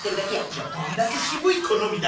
いやどんだけ渋い好みだ！